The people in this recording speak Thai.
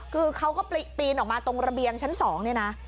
คือเขาก็ปีนออกมาตรงระเบียงชั้น๒เนี่ยนะ